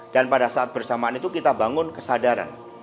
dan pada saat bersamaan itu kita bangun kesadaran